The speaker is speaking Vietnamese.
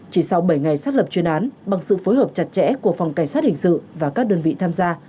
chỉ sau bảy ngày xác lập chuyên án bằng sự phối hợp chặt chẽ của phòng cảnh sát hình sự và các đơn vị tham gia